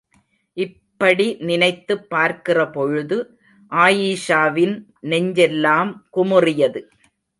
இப்படி நினைத்துப் பார்க்கிறபொழுது ஆயீஷாவின் நெஞ்செல்லாம் குமுறியது!